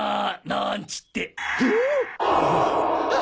なんちって。